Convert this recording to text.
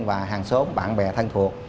và hàng số bạn bè thân thuộc